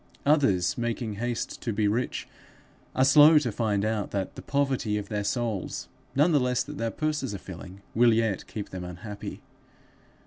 Others, making haste to be rich, are slow to find out that the poverty of their souls, none the less that their purses are filling, will yet keep them unhappy.